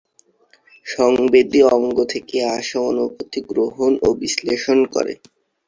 সংবেদী অঙ্গ থেকে আসা অনুভূতি গ্রহণ ও বিশ্লেষণ করে।